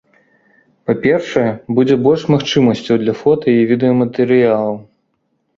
Па-першае, будзе больш магчымасцяў для фота- і відэаматэрыялаў.